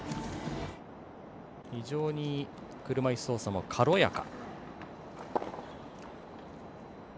非常に車いす操作も軽やか。